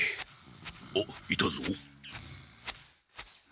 おっいたぞ。